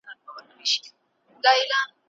ایا ته د سبا ورځې په اړه اندېښمن یې؟